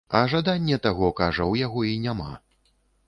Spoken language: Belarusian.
А жаданне таго, кажа, у яго і няма.